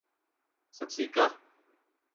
سکسیکا